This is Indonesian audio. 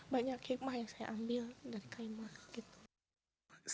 banyak hikmah yang saya ambil dari kaima